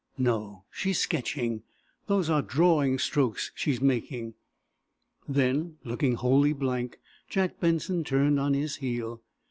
"No; she's sketching. Those are drawing strokes she's making." Then, looking wholly blank, Jack Benson turned on his heel.